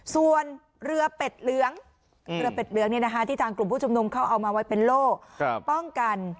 ส่วนเรือเป็ดเหลืองที่ทางกลุ่มผู้ชุมนุมเขาเอามาไว้เป็นโลก